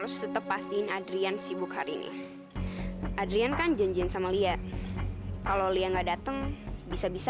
sampai jumpa di video selanjutnya